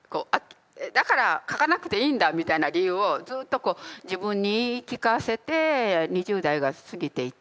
だから書かなくていいんだみたいな理由をずうっとこう自分に言い聞かせて２０代が過ぎていて。